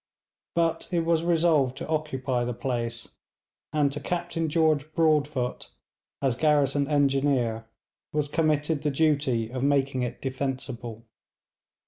But it was resolved to occupy the place, and to Captain George Broadfoot, as garrison engineer, was committed the duty of making it defensible.